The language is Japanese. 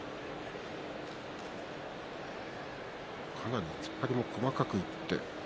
かなり突っ張りも細かくいって。